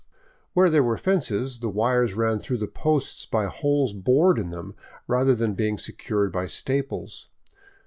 Where there were fences, the wires ran through the posts by holes bored in them, rather than being secured by staples.